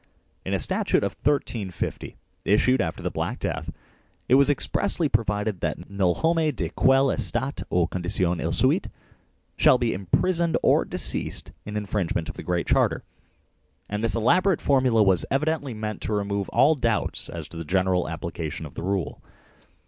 In a statute of 1350 (28 Edw. Ill, c. 3) issued after the Black Death it was expressly provided that "Nul homme de quel estate ou condicion il soit " should be imprisoned or disseised in infringement of the Great Charter, and this elaborate formula was evidently meant to remove all doubts as to the general applica tion of the rule.